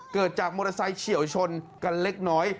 เกิดจากมอเตอร์ไซค์เฉียวชนกันเล็กน้อย